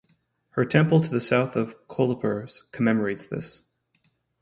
Her temple to the South of Kolhapur commemorates this.